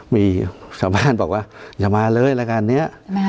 มีสัมพันธ์บอกว่าจะมาเลยรายการนี้